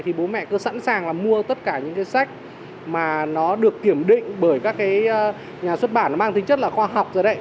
thì bố mẹ cứ sẵn sàng là mua tất cả những cái sách mà nó được kiểm định bởi các cái nhà xuất bản nó mang tính chất là khoa học rồi đấy